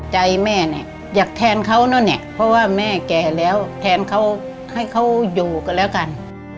ใจแม่เนี่ยอยากแทนเขาเนอะเนี่ยเพราะว่าแม่แก่แล้วแทนเขาให้เขาอยู่กันแล้วกัน